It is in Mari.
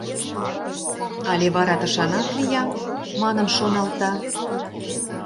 «Але вара тышанак лиям?» — манын шоналта.